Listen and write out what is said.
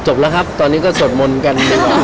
จบแล้วครับตอนนี้ก็สดมนต์กัน